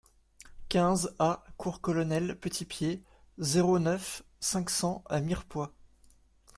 quinze A cours Colonel Petitpied, zéro neuf, cinq cents à Mirepoix